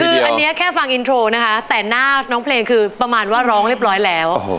คืออันนี้แค่ฟังอินโทรนะคะแต่หน้าน้องเพลงคือประมาณว่าร้องเรียบร้อยแล้ว